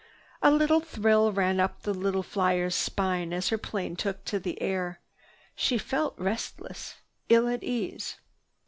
A little thrill ran up the little flier's spine as her plane took to the air. She felt restless, ill at ease.